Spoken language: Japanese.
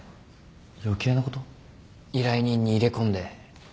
依頼人に入れ込んで。